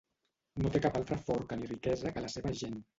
No té cap altra forca ni riquesa que la seva gent.